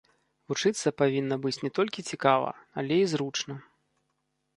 Вучыцца павінна быць не толькі цікава, але і зручна.